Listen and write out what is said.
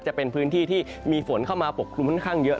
จะเป็นพื้นที่ที่มีฝนเข้ามาปกครุมค่อนข้างเยอะ